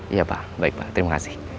iya pak baik pak terima kasih